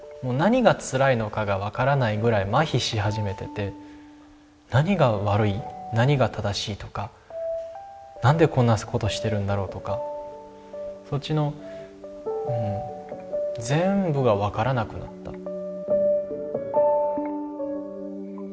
何がつらいのかが分からないぐらいまひし始めてて何が悪い何が正しいとか何でこんなことしてるんだろうとかそっちの全部が分からなくなった。